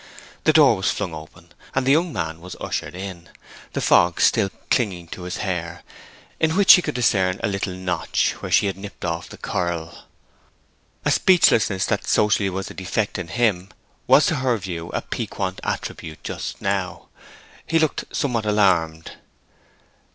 The door was flung open and the young man was ushered in, the fog still clinging to his hair, in which she could discern a little notch where she had nipped off the curl. A speechlessness that socially was a defect in him was to her view a piquant attribute just now. He looked somewhat alarmed.